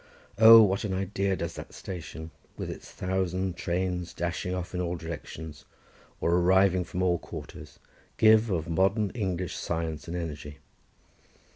Oh, what an idea does that station, with its thousand trains dashing off in all directions, or arriving from all quarters, give of modern English science and energy.